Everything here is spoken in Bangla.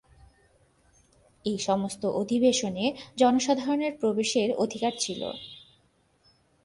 এই সমস্ত অধিবেশনে জনসাধারণের প্রবেশের অধিকার ছিল।